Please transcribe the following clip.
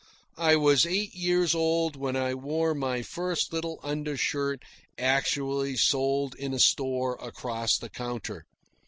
I was eight years old when I wore my first little undershirt actually sold in a store across the counter.